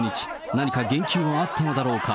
何か言及はあったのだろうか。